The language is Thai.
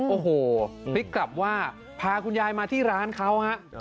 พริกตาบพริกตาบว่าพาคุณยายมาที่ร้านเขา